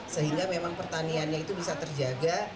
sehingga memang pertaniannya itu bisa terjaga